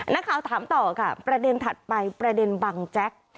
นักข่าวถามต่อค่ะประเด็นถัดไปประเด็นบังแจ๊ก